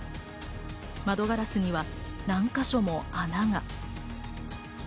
窓ガラスには何か所も穴が。